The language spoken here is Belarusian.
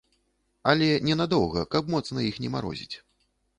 Але не надоўга, каб моцна іх не марозіць.